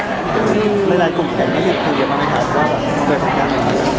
เมื่อรายกลุ่มแข่งได้อยู่คุยกับมันไหมคะ